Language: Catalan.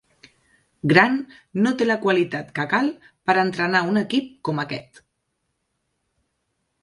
Grant no té la qualitat que cal per entrenar un equip com aquest.